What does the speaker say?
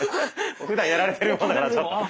ふだんやられてるもんだからちょっと。